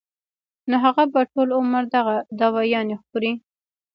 نو هغه به ټول عمر دغه دوايانې خوري